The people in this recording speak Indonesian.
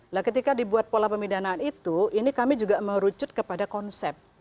nah ketika dibuat pola pemidanaan itu ini kami juga merucut kepada konsep